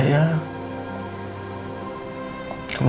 kita tak berkas